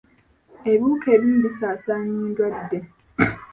Ebiwuka ebimu bisaasaanya endwadde.